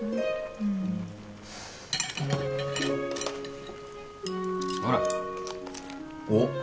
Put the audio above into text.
うん。ほら。おっ。